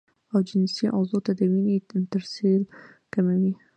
او جنسي عضو ته د وينې ترسيل کموي